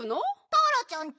ターラちゃんち。